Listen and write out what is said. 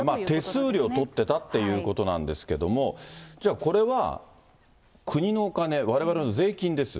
だから手数料を取っていたということなんですけれども、じゃあ、これは国のお金、われわれの税金です。